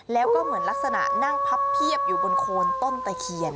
แล้วก็เหมือนลักษณะนั่งพับเพียบอยู่บนโคนต้นตะเคียน